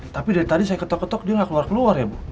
tapi dari tadi saya ketok ketok dia nggak keluar keluar ya bu